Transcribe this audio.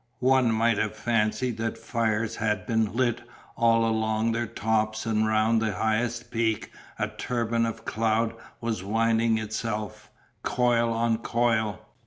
One might have fancied that fires had been lit all along their tops and round the highest peak a turban of cloud was winding itself, coil on coil.